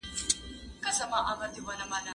زه اجازه لرم چي انځور وګورم!